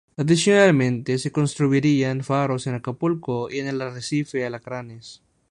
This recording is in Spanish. Adicionalmente se construirían faros en Acapulco y en el arrecife Alacranes.